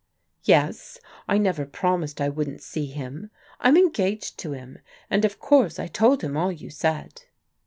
" Yes. I never promised I wouldn't see him. I'm en gaged to him, and of course I told him all you said."